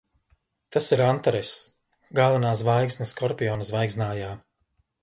Tas ir Antaress. Galvenā zvaigzne Skorpiona zvaigznājā.